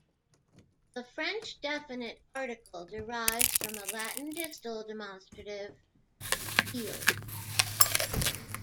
The French definite article derives from a Latin distal demonstrative, "ille".